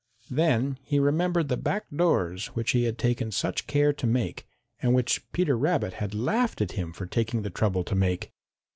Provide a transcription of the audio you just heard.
Then he remembered the back doors which he had taken such care to make, and which Peter Rabbit had laughed at him for taking the trouble to make.